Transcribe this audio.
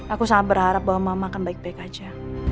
aku sangat berharap bahwa mama akan baik baik aja